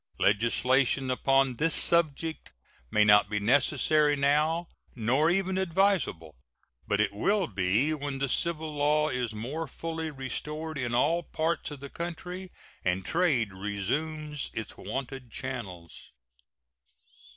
Legislation upon this subject may not be necessary now, nor even advisable, but it will be when the civil law is more fully restored in all parts of the country and trade resumes its wonted channels.